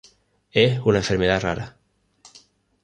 Es una enfermedad rara.